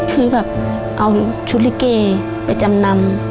คือแบบเอาชุดลิเกไปจำนำ